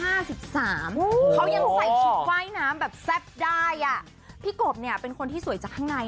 เขายังใส่ชุดว่ายน้ำแบบแซ่บได้อ่ะพี่กบเนี่ยเป็นคนที่สวยจากข้างใน